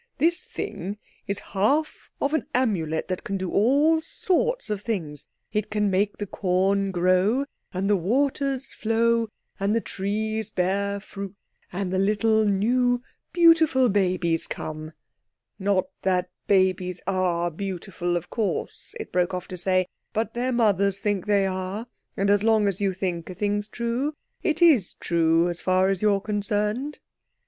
"This thing is half of an Amulet that can do all sorts of things; it can make the corn grow, and the waters flow, and the trees bear fruit, and the little new beautiful babies come. (Not that babies are beautiful, of course," it broke off to say, "but their mothers think they are—and as long as you think a thing's true it is true as far as you're concerned.)"